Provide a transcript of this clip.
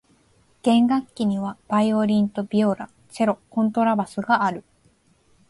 弦楽器にはバイオリンとビオラ、チェロ、コントラバスがある。